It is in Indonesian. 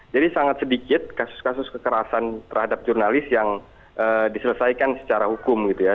jadi sangat sedikit kasus kasus kekerasan terhadap jurnalis yang diselesaikan secara hukum gitu ya